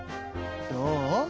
どう？